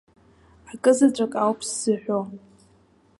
Акызаҵәык ауп сзыҳәо.